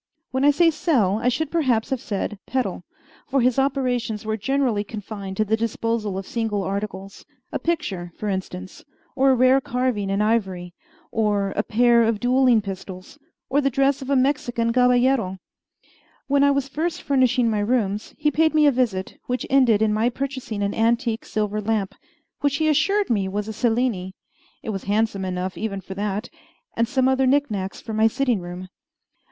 When I say sell, I should perhaps have said peddle; for his operations were generally confined to the disposal of single articles a picture, for instance, or a rare carving in ivory, or a pair of duelling pistols, or the dress of a Mexican caballero. When I was first furnishing my rooms, he paid me a visit, which ended in my purchasing an antique silver lamp, which he assured me was a Cellini it was handsome enough even for that and some other knick knacks for my sitting room.